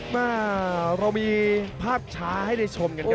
แม่เรามีภาพช้าให้ได้ชมกันครับ